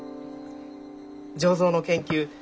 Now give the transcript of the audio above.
醸造の研究